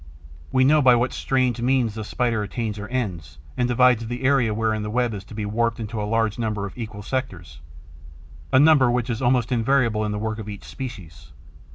We know by what strange means the Spider attains her ends and divides the area wherein the web is to be warped into a large number of equal sectors, a number which is almost invariable in the work of each species.